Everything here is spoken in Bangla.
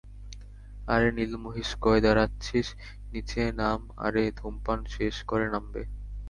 আরে নীল মহিষ, কয় দাঁড়াচ্ছিস নীচে নাম আরে, ধূমপান শেষ করে নামবে।